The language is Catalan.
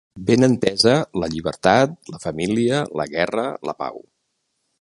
Ben entesa la llibertat, la familia, la guerra, la pau